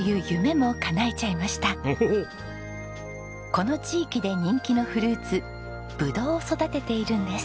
この地域で人気のフルーツぶどうを育てているんです。